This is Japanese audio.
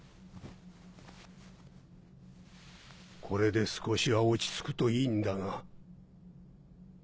これで少しは落ち着くといいんだが。